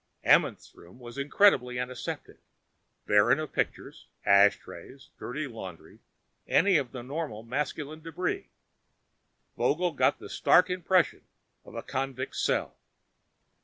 Amenth's room was incredibly aseptic, barren of pictures, ash trays, dirty laundry, any of the normal masculine debris. Vogel got the stark impression of a convict's cell.